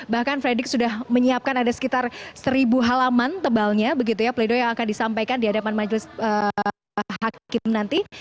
bahkan fredrik sudah menyiapkan ada sekitar seribu halaman tebalnya begitu ya pledo yang akan disampaikan di hadapan majelis hakim nanti